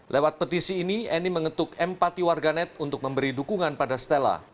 lewat petisi ini annie mengetuk empati warga net untuk memberi dukungan pada stella